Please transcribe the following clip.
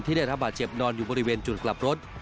ได้รับบาดเจ็บนอนอยู่บริเวณจุดกลับรถ